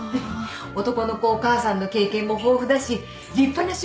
男の子お母さんの経験も豊富だし立派な主婦だし。